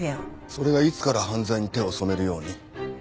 それがいつから犯罪に手を染めるように？